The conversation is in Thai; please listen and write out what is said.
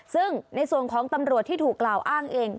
ซึ่งในส่วนของตำรวจที่ถูกกล่าวอ้างเอง